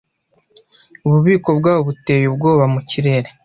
Ububiko bwabo buteye ubwoba mu kirere